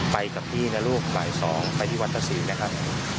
ไปกับพี่นะลูกบ่าย๒ไปที่วัดตะสินนะครับ